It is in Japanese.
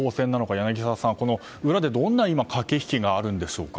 柳澤さん、裏でどんな駆け引きがあるんでしょうね。